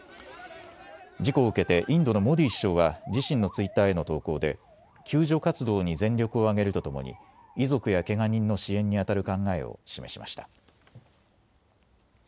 事故を受けてインドのモディ首相は自身のツイッターへの投稿で救助活動に全力を挙げるとともに遺族やけが人の支援にあたる考えを示しました。